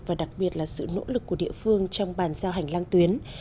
và đặc biệt là sự nỗ lực của địa phương trong bàn giao hành lang tuyến